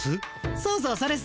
そうそうそれっす。